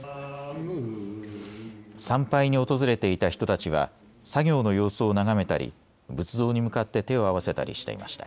参拝に訪れていた人たちは作業の様子を眺めたり仏像に向かって手を合わせたりしていました。